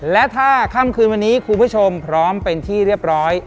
และถ้าค่ำคืนวันนี้คุณผู้ชมพร้อมเป็นที่เรียบร้อย